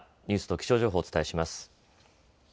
ニュースと気象情報をお伝えします。